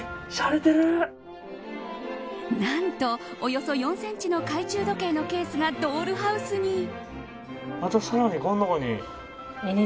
何とおよそ４センチの懐中時計のケースがドールハウスに。